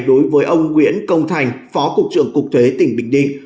đối với ông nguyễn công thành phó cục trưởng cục thuế tỉnh bình định